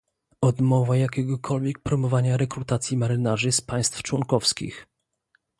odmowa jakiegokolwiek promowania rekrutacji marynarzy z państw członkowskich